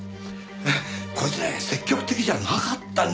こいつね積極的じゃなかったんですよ。